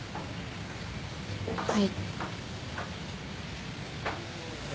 はい。